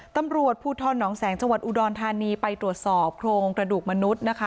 ตำรวจภูทรหนองแสงจังหวัดอุดรธานีไปตรวจสอบโครงกระดูกมนุษย์นะคะ